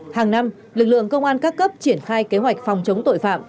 hàng năm lực lượng công an các cấp triển khai kế hoạch phòng chống tội phạm